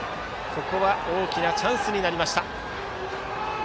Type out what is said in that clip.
大きなチャンスになりました。